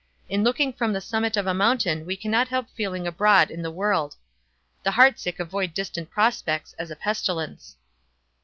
In looking from the summit of a mountain we cannot help feeling abroad in the world. The heart sick avoid distant prospects as a pestilence."